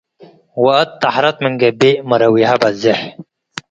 ወአት ጠሕረት ምን ገብእ መረዊሀ በዜሕ።